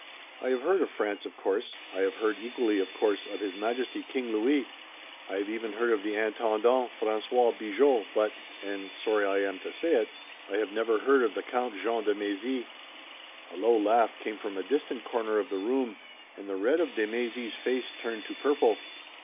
"I have heard of France, of course, I have heard, equally of course, of His Majesty, King Louis, I have even heard of the Intendant, François Bigot, but, and sorry I am to say it, I have never heard of the Count Jean de Mézy." A low laugh came from a distant corner of the room, and the red of de Mézy's face turned to purple.